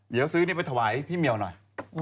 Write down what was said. เดี๋ยวซื้อนี้ไปถวายพี่เมียวหน่อย